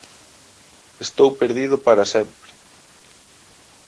Estou perdido para sempre!